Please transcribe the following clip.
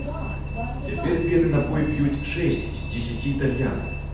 Цяпер пенны напой п'юць шэсць з дзесяці італьянак.